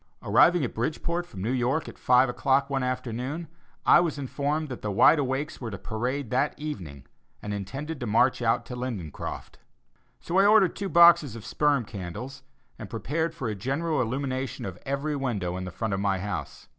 Arriving at Bridgeport from New York at five o'clock one afternoon, I was informed that the Wide Awakes were to parade that evening and intended to march out to Lindencroft. So I ordered two boxes of sperm candles, and prepared for a general illumination of every window in the front of my house.